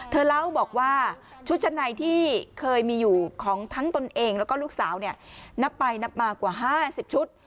เธอเล่าบอกว่าชุดชั้นในที่เคยมีอยู่ของทั้งตนเองแล้วก็ลูกสาวเนี่ยนับไปนับมากว่า๕๐ชุด